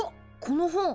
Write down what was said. この本！